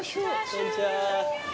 こんにちは。